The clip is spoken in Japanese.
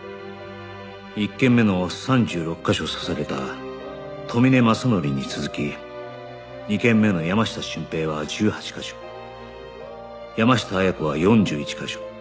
１件目の３６カ所刺された富峰正紀に続き２件目の山下俊平は１８カ所山下綾子は４１カ所